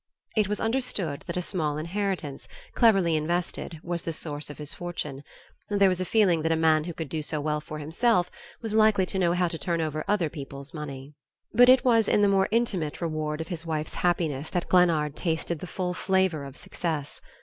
It was understood that a small inheritance, cleverly invested, was the source of his fortune; and there was a feeling that a man who could do so well for himself was likely to know how to turn over other people's money. But it was in the more intimate reward of his wife's happiness that Glennard tasted the full flavor of success.